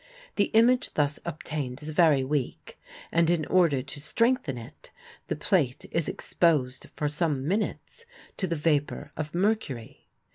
The image thus obtained is very weak, and in order to strengthen it the plate is exposed for some minutes to the vapor of mercury.